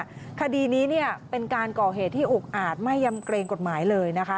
คดีนี้เนี่ยเป็นการก่อเหตุที่อุกอาจไม่ยำเกรงกฎหมายเลยนะคะ